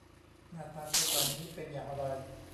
หน้าตาคนเหล่านี้เป็นอย่างไร